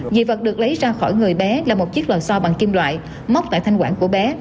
dị vật được lấy ra khỏi người bé là một chiếc lò so bằng kim loại móc tại thanh quảng của bé